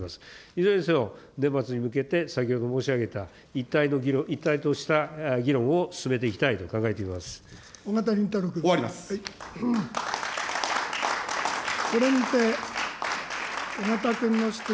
いずれにせよ、年末に向けて先ほど申し上げた一体の議論、一体とした議論を進めていきたいと考え緒方林太郎君。